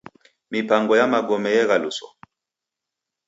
Mipango ya magome eghaluswa.